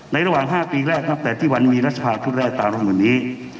ในระหว่าง๕ปีแรกนับแต่ที่วันนี้มีรัฐสภาพทุกแรกตามรุ่นนี้